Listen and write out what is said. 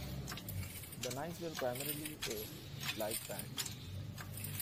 The Nice were primarily a live band.